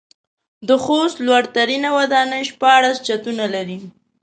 د خوست لوړ ترينه وداني شپاړس چتونه لري.